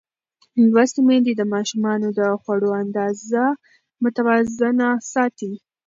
لوستې میندې د ماشومانو د خوړو اندازه متوازنه ساتي.